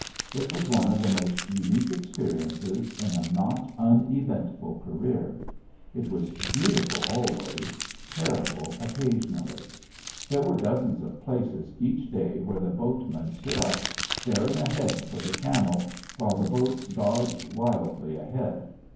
It was one of the most unique experiences in a not uneventful career. It was beautiful always, terrible occasionally. There were dozens of places each day where the boatmen stood up, staring ahead for the channel, while the boats dodged wildly ahead.